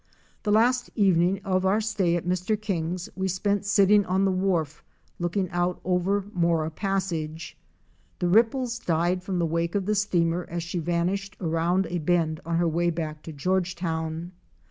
The last evening of our stay at Mr. King's we spent sitting on the wharf looking out over Mora Passage. The ripples died from the wake of the steamer as she vanished around a bend on her way back to Georgetown.